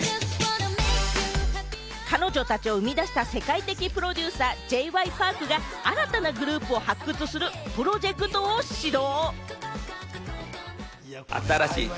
彼女たちを生み出した世界的プロデューサー、Ｊ．Ｙ．Ｐａｒｋが新たなグループを発掘するプロジェクトを始動。